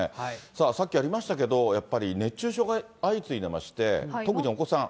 さあ、さっきありましたけど、やっぱり熱中症が相次いでまして、特にお子さん。